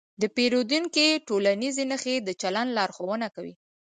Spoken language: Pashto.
د پیریدونکي ټولنیزې نښې د چلند لارښوونه کوي.